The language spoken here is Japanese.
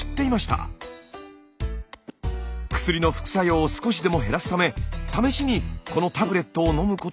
薬の副作用を少しでも減らすため試しにこのタブレットを飲むことにしたんです。